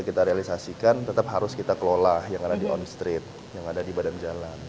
kita realisasikan tetap harus kita kelola yang ada di on street yang ada di badan jalan